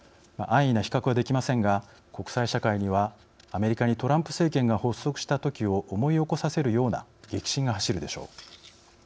安易な比較はできませんが国際社会には、アメリカにトランプ政権が発足したときを思い起こさせるような激震が走るでしょう。